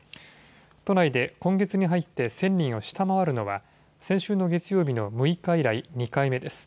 都内で今月に入って１０００人を下回るのは、先週の月曜日の６日以来、２回目です。